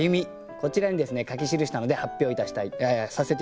こちらにですね書き記したので発表させて頂きたいと思います。